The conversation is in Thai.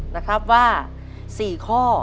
นะครับว่า๔ข้อ